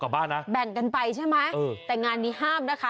บ้านนะแบ่งกันไปใช่ไหมเออแต่งานนี้ห้ามนะคะ